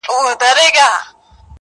په جونګړو به شور ګډ د پښتونخوا سي،